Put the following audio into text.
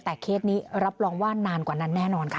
แต่เคสนี้รับรองว่านานกว่านั้นแน่นอนค่ะ